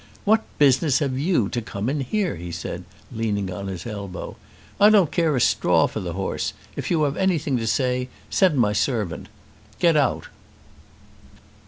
"What business have you to come in here?" he said, leaning on his elbow. "I don't care a straw for the horse. If you have anything to say send my servant. Get out!"